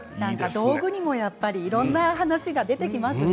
道具にもいろいろな話が出てきますね。